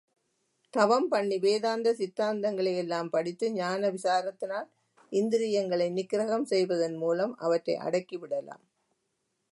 தவம் பண்ணி, வேதாந்த சித்தாந்தங்களை எல்லாம் படித்து, ஞான விசாரத்தினால் இந்திரியங்களை நிக்கிரகம் செய்வதன் மூலம் அவற்றை அடக்கிவிடலாம்.